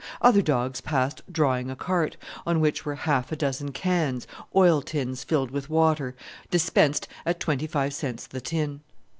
Other dogs passed drawing a cart, on which were half a dozen cans, oil tins filled with water, dispensed at twenty five cents the tin.